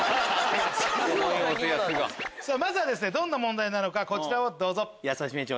まずはどんな問題なのかこちらをどうぞ。